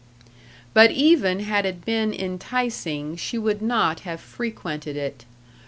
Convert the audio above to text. But even had it been enticing, she would not have frequented it.